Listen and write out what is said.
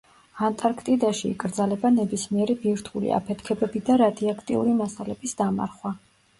ანტარქტიდაში იკრძალება ნებისმიერი ბირთვული აფეთქებები და რადიაქტიური მასალების დამარხვა.